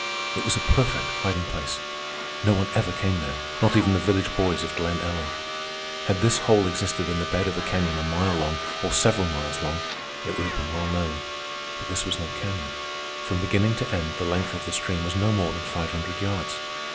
It was a perfect hiding place. No one ever came there, not even the village boys of Glen Ellen. Had this hole existed in the bed of a canyon a mile long, or several miles long, it would have been well known. But this was no canyon. From beginning to end the length of the stream was no more than five hundred yards.